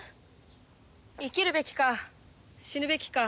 生きるべきか死ぬべきか。